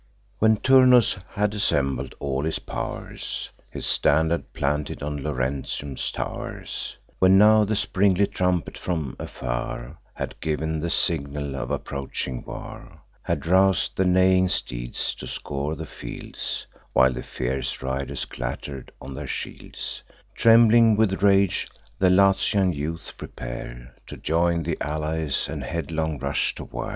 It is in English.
When Turnus had assembled all his pow'rs, His standard planted on Laurentum's tow'rs; When now the sprightly trumpet, from afar, Had giv'n the signal of approaching war, Had rous'd the neighing steeds to scour the fields, While the fierce riders clatter'd on their shields; Trembling with rage, the Latian youth prepare To join th' allies, and headlong rush to war.